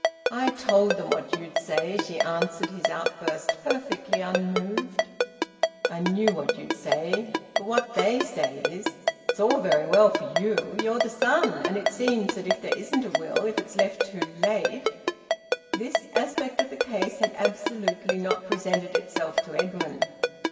"I told them what you'd say," she answered his outburst, perfectly unmoved. "I knew what you'd say. But what they say is it's all very well for you. You're the son, and it seems that if there isn't a will, if it's left too late " This aspect of the case had absolutely not presented itself to Edwin.